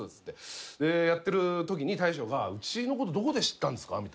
でやってるときに大将がうちのことどこで知ったんですか？